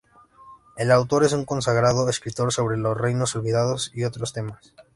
El autor es un consagrado escritor sobre los Reinos Olvidados y otros temas.